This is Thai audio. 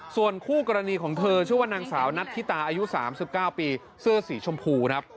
ส่วนคู่กรณีของเธอชื่อว่านางสาวนัทธิตาอายุ๓๙ปีเสื้อสีชมพูครับ